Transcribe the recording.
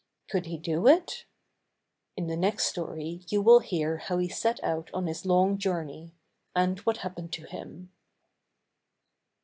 Could he do it? In the next story you will hear how he set out on his long journey, and what happened to him.